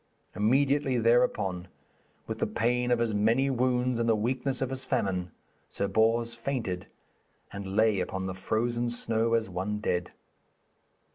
Immediately thereupon, with the pain of his many wounds and the weakness of his famine, Sir Bors fainted, and lay upon the frozen snow as one dead.